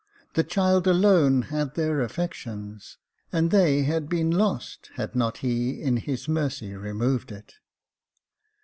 The child alone had their affections, and they had been lost, had not he in his mercy removed it.